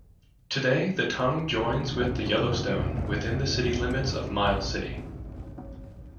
Today, the Tongue joins with the Yellowstone within the city limits of Miles City.